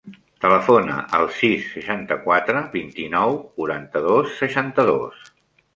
Telefona al sis, seixanta-quatre, vint-i-nou, quaranta-dos, seixanta-dos.